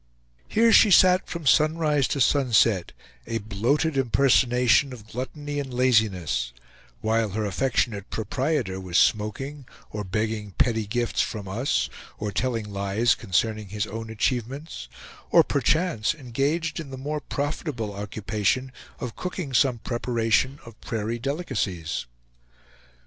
Here she sat from sunrise to sunset, a bloated impersonation of gluttony and laziness, while her affectionate proprietor was smoking, or begging petty gifts from us, or telling lies concerning his own achievements, or perchance engaged in the more profitable occupation of cooking some preparation of prairie delicacies.